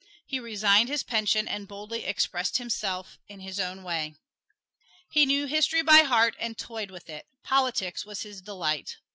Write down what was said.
He resigned his pension and boldly expressed himself in his own way. He knew history by heart and toyed with it; politics was his delight.